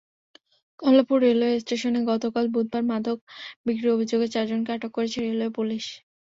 Kamalapur railway স্টেশনে গতকাল বুধবার মাদক বিক্রির অভিযোগে চারজনকে আটক করেছে রেলওয়ে পুলিশ।